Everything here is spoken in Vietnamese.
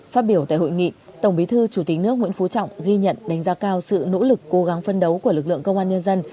phát biểu tại hội nghị tổng bí thư chủ tịch nước nguyễn phú trọng ghi nhận đánh giá cao sự nỗ lực cố gắng phân đấu của lực lượng công an nhân dân